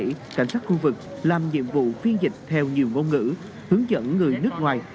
và cảnh sát khu vực làm nhiệm vụ phiên dịch theo nhiều ngôn ngữ hướng dẫn người nước ngoài